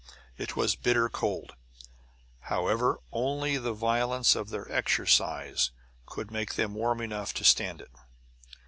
It was bitter cold, however; only the violence of their exercise could make them warm enough to stand it.